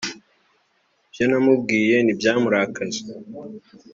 Ibyo namubwiye ntibyamurakaje